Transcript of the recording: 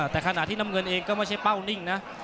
แต่ขณะที่น้ำเงินเองก็ไม่ใช่เป้านิ่งนะ